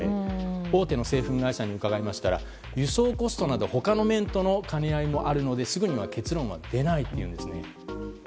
大手の製粉会社に伺いましたら輸送コストなど他の面との兼ね合いもあるのですぐには結論は出ないというんです。